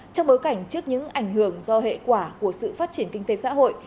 trong bối cảnh trước những ảnh hưởng do hệ quả của sự phát triển kinh tế xã hội